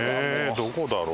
どこだろう？